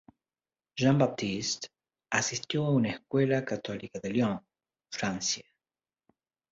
Jean-Baptiste asistió a una escuela católica en Lyon, Francia.